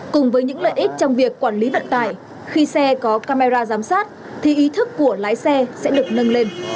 cùng với những lợi ích trong việc quản lý vận tải khi xe có camera giám sát thì ý thức của lái xe sẽ được nâng lên